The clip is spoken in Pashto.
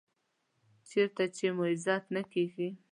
چېرته چې مو عزت نه کېږي .